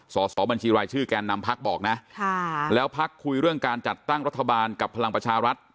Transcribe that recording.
สอบบัญชีรายชื่อแกนนำพักบอกนะแล้วพักคุยเรื่องการจัดตั้งรัฐบาลกับพลังประชารัฐ